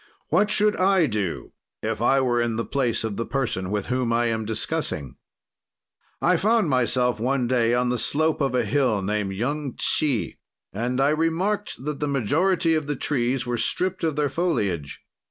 "What should I do if I were in the place of the person with whom I am discussing? "I found myself one day on the slope of a hill named Yung Tshi, and I remarked that the majority of the trees were stript of their foliage.